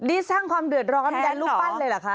นี่สร้างความเดือดร้อนดันรูปปั้นเลยเหรอคะ